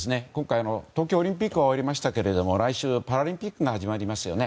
東京オリンピックは終わりましたが来週、パラリンピックが始まりますよね。